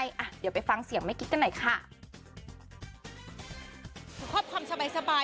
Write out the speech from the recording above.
อ่ะเดี๋ยวไปฟังเสียงแม่กิ๊กกันหน่อยค่ะ